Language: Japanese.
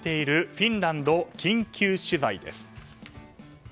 フィンランド緊急取材です。